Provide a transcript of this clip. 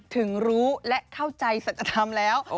ถึงรู้และเข้าใจสัจธรรมแล้ว